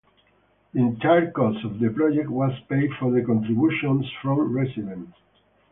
The entire cost of the project was paid for by contributions from residents.